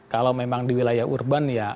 kalau memang di wilayah urban ya